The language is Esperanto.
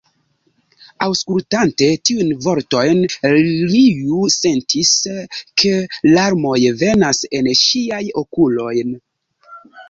Aŭskultante tiujn vortojn, Liu sentis, ke larmoj venas en ŝiajn okulojn.